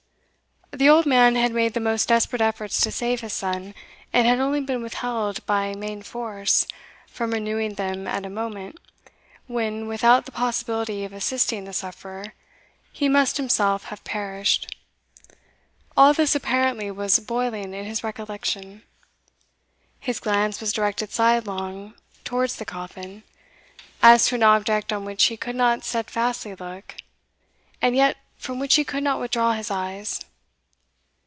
The old man had made the most desperate efforts to save his son, and had only been withheld by main force from renewing them at a moment when, without the possibility of assisting the sufferer, he must himself have perished. All this apparently was boiling in his recollection. His glance was directed sidelong towards the coffin, as to an object on which he could not stedfastly look, and yet from which he could not withdraw his eyes.